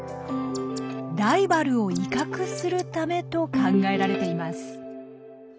ライバルを威嚇するためと考えられています。